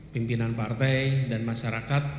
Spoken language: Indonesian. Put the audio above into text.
pimpinan partai dan masyarakat